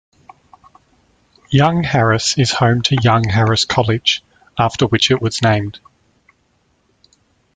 Young Harris is home to Young Harris College, after which it was named.